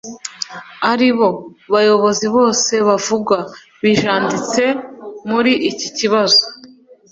ari bo bayobozi bose bavugwa bijanditse muri iki kibazo